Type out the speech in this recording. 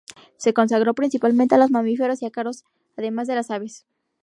Se consagró principalmente a los mamíferos y ácaros, además de las aves.